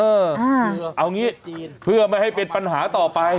เอางี้เพื่อไม่ให้เป็นปัญหาต่อไป